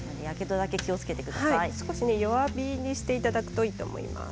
少し弱火にしていただくといいと思います。